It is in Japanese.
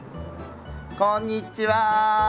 こんにちは。